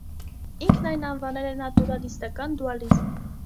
Ինքն այն անվանել է «նատուրալիստական դուալիզմ»։